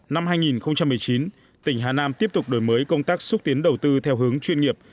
năm hai nghìn một mươi chín tỉnh hà nam tiếp tục đổi mới công tác xúc tiến đầu tư theo hướng chuyên nghiệp